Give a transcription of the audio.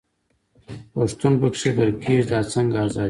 پښتون په کښي غرقېږي، دا څنګه ازادي ده.